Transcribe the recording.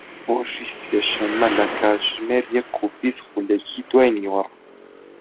ڕۆژی سێشەممە لە کاتژمێر یەک و بیست خولەکی دوای نیوەڕۆ